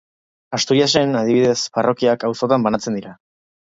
Asturiasen, adibidez, parrokiak auzotan banatzen dira.